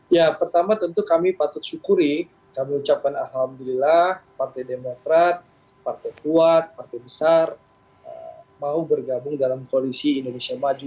ya pertama tentu kami patut syukuri kami ucapkan alhamdulillah partai demokrat partai kuat partai besar mau bergabung dalam koalisi indonesia maju